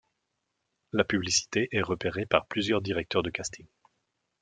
La publicité est repérée par plusieurs directeurs de casting.